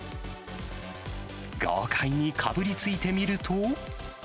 豪快にかぶりついてみると。